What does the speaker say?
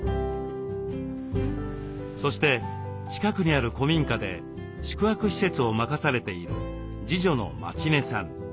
そして近くにある古民家で宿泊施設を任されている次女の舞宙音さん。